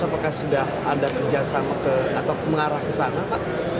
apakah sudah ada kerjasama atau mengarah ke sana pak